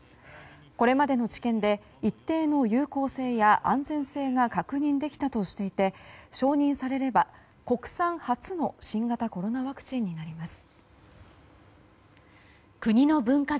これまでの治験で一定の有効性や安全性が確認できたとしていて承認されれば、国産初の新型コロナワクチンになります。